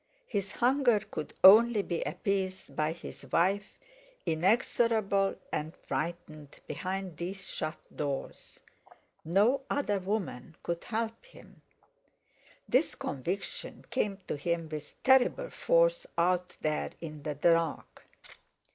His hunger could only be appeased by his wife, inexorable and frightened, behind these shut doors. No other woman could help him. This conviction came to him with terrible force out there in the dark.